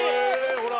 ほら！